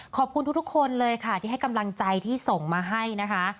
ขอบคุณทุกคนเลยค่ะที่ให้กำลังใจที่ส่งมาให้นะคะ